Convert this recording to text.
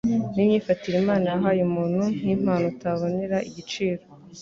n'imyifatire Imana yahaye umuntu nk'impano utabonera igiciro